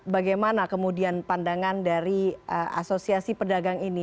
bagaimana kemudian pandangan dari asosiasi pedagang ini